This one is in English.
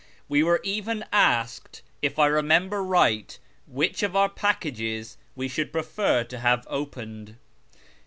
We were even asked, if I remember right, which of our packages we should prefer to have opened.